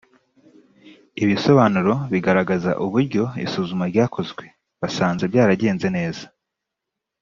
ibisobanuro bigaragaza uburyo isuzuma ryakozwe basanze byaragenze neza